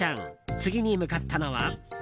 次に向かったのは。